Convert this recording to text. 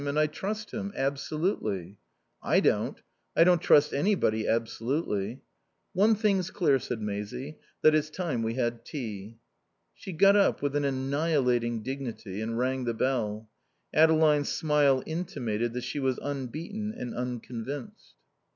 And I trust him. Absolutely." "I don't. I don't trust anybody absolutely." "One thing's clear," said Maisie, "that it's time we had tea." She got up, with an annihilating dignity, and rang the bell. Adeline's smile intimated that she was unbeaten and unconvinced.